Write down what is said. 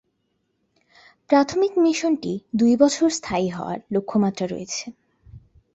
প্রাথমিক মিশনটি দুই বছর স্থায়ী হওয়ার লক্ষ্যমাত্রা রয়েছে।